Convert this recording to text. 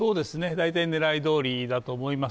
大体、狙いどおりだと思います